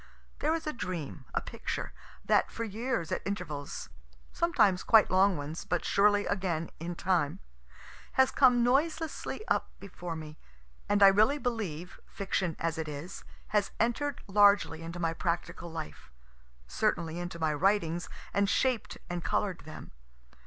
There is a dream, a picture, that for years at intervals, (sometimes quite long ones, but surely again, in time,) has come noiselessly up before me, and I really believe, fiction as it is, has enter'd largely into my practical life certainly into my writings, and shaped and color'd them.